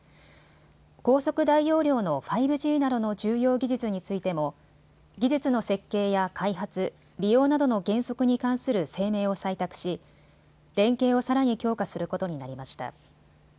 高速・大容量の５Ｇなどの重要技術についても技術の設計や開発、利用などの原則に関する声明を採択し、連携をさらに強化することになりました。